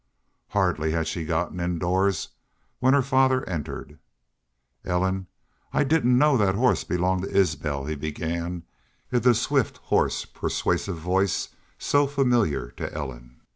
Hardly had she gotten indoors when her father entered. "Ellen, I didn't know that horse belonged to Isbel," he began, in the swift, hoarse, persuasive voice so familiar to Ellen.